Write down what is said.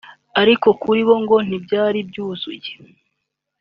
ariko kuri bo ngo ntibwari bwuzuye